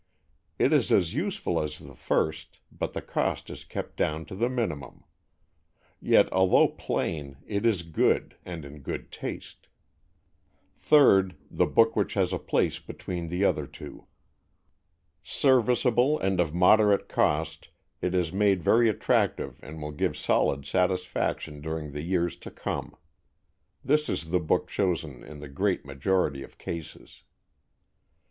It is as useful as the first, but the cost is kept down to the minimum. Yet, although plain, it is good, and in good taste. Third, the book which has a place between the other two. Serviceable and of moderate cost, it is made very attractive and will give solid satisfaction during the years to come. This is the book chosen in the great majority of cases.